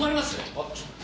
あっちょっと。